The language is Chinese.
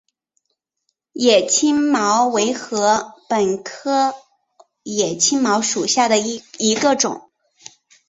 野青茅为禾本科野青茅属下的一个种。